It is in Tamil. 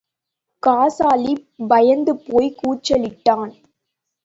காசாலி பயந்துபோய்க் கூச்சலிட்டான்.